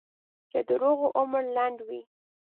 د دروغو عمر لنډ وي.